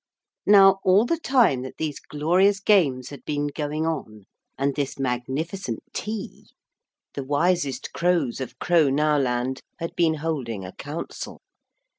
Now, all the time that these glorious games had been going on, and this magnificent tea, the wisest crows of Crownowland had been holding a council.